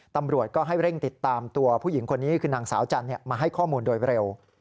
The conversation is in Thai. ตำรวจก็ให้เร่งติดตามตัวผู้หญิงคนนี้คือนางสาวจันทร์มาให้ข้อมูลโดยเร็ว